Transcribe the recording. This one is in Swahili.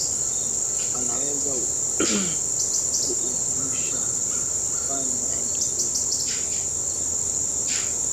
anaweza ku uzisha ku fanya entreprenariat ku tumika mu